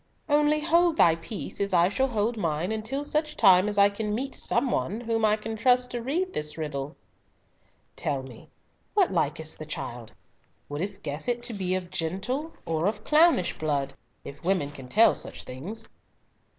Only hold thy peace, as I shall hold mine, until such time as I can meet some one whom I can trust to read this riddle. Tell me—what like is the child? Wouldst guess it to be of gentle, or of clownish blood, if women can tell such things?"